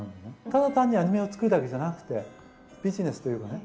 ただ単にアニメを作るだけじゃなくてビジネスというかね